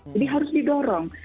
jadi harus didorong